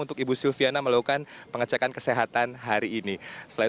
terima kasih pak